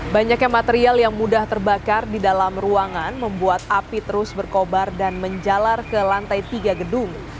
banyaknya material yang mudah terbakar di dalam ruangan membuat api terus berkobar dan menjalar ke lantai tiga gedung